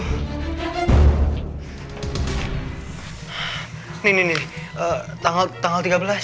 k wholly ni sini yang ngelassistant dan abis di baris